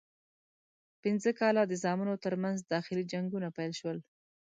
پنځه کاله د زامنو ترمنځ داخلي جنګونه پیل شول.